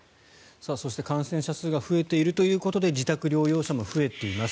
そして感染者数が増えているということで自宅療養者も増えています。